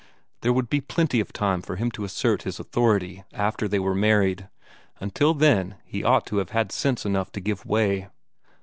There would be plenty of time for him to assert his authority after they were married; until then he ought to have had sense enough to give way.